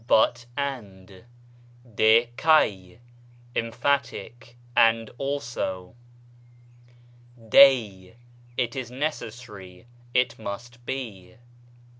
but, and ; δὲ καί (emphat ic), and also. ; δεῖ, it is necessary, it must be.